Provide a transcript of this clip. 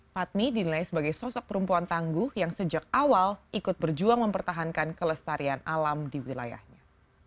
patmi dinilai sebagai sosok perempuan tangguh yang sejak awal ikut berjuang mempertahankan kelestarian alam di wilayahnya